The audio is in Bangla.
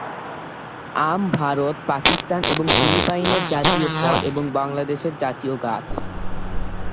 আম ভারত, পাকিস্তান এবং ফিলিপাইনের জাতীয় ফল এবং বাংলাদেশের জাতীয় গাছ।